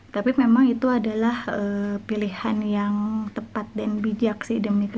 tapi memang itu adalah pilihan yang tepat dan bijak sih demikian